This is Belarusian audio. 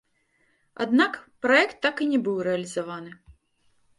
Аднак праект так і не быў рэалізаваны.